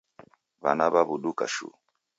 W'ana w'aw'uduka shuu